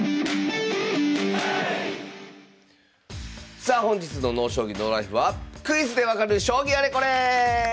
さあ本日の「ＮＯ将棋ＮＯＬＩＦＥ」は「クイズでわかる将棋あれこれ」！